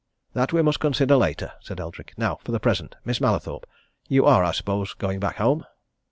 "That we must consider later," said Eldrick. "Now for the present, Miss Mallathorpe, you are, I suppose, going back home?"